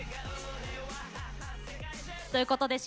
ということでｓ＊